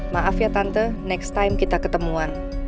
maaf ya tante next time kita ketemuan